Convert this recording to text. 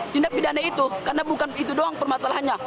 tindak pidana itu karena bukan itu doang permasalahannya